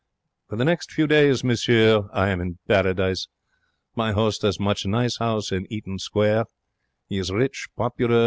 For the next few days, monsieur, I am in Paradise. My 'ost has much nice 'ouse in Eaton Square. He is rich, popular.